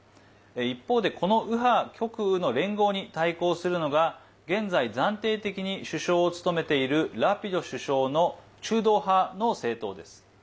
一方で、この右派・極右の連合に対抗するのが現在、暫定的に首相を務めているラピド首相の中道派の政党です。